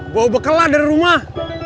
gue bekel lah dari rumah